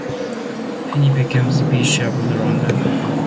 Henry became bishop of London.